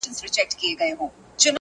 دې مخلوق ته به مي څنګه په زړه کیږم؟!.